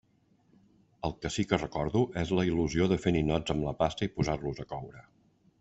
El que sí que recordo és la il·lusió de fer ninots amb la pasta i posar-los a coure.